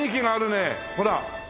ほら。